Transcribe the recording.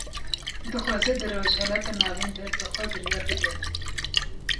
Dixwaze di Rojhilata Navîn de, bi xwe biryar bide